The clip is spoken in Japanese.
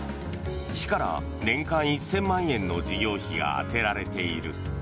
市から年間１０００万円の事業費が充てられている。